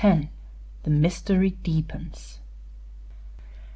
THE MYSTERY DEEPENS.